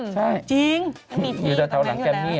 ฮะจริงก็มีทีกับแม่งก็แล้วนะใช่